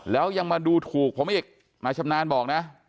แล้วยังมาดูถูกผมอีกนายชำนาญบอกนะ